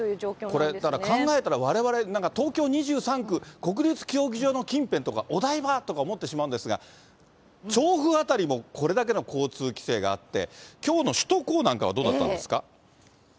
これ、だから考えたら、われわれ、東京２３区、国立競技場の近辺とかお台場とか思ってしまうんですが、調布辺りもこれだけの交通規制があって、きょうの首都高なんかはどうだったんですか？